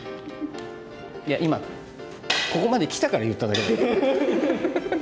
いや今ここまできたから言っただけだよ。